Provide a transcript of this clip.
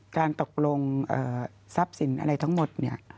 การตกลงทรัพย์สินอะไรทั้งหมดเนี่ย